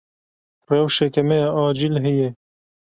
Rewşeke me ya acîl heye.